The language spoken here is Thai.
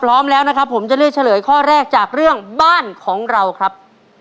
พร้อมแล้วนะครับผมจะเลือกเฉลยข้อแรกจากเรื่องบ้านของเราครับ